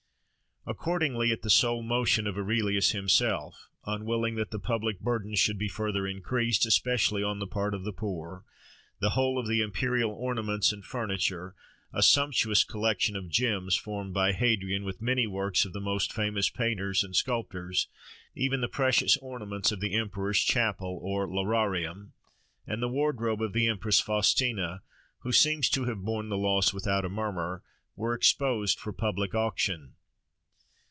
Accordingly, at the sole motion of Aurelius himself, unwilling that the public burden should be further increased, especially on the part of the poor, the whole of the imperial ornaments and furniture, a sumptuous collection of gems formed by Hadrian, with many works of the most famous painters and sculptors, even the precious ornaments of the emperor's chapel or Lararium, and the wardrobe of the empress Faustina, who seems to have borne the loss without a murmur, were exposed for public auction.